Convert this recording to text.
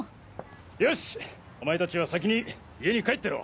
よしお前達は先に家に帰ってろ。